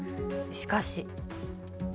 しかし。